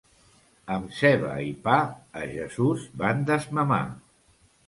Amb ceba i pa, a Jesús van desmamar.